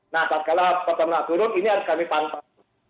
nah setelah turun ini harus kami pantas